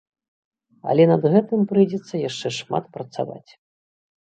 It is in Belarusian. Але над гэтым прыйдзецца яшчэ шмат працаваць.